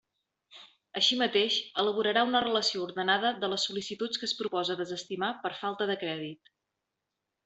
Així mateix elaborarà una relació ordenada de les sol·licituds que es propose desestimar per falta de crèdit.